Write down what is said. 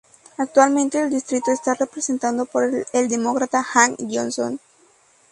Actualmente el distrito está representado por el Demócrata Hank Johnson.